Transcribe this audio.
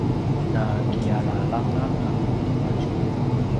nakialalanganga timadju